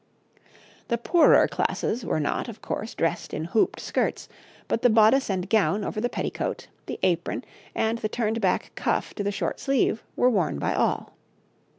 The poorer classes were not, of course, dressed in hooped skirts, but the bodice and gown over the petticoat, the apron, and the turned back cuff to the short sleeve were worn by all.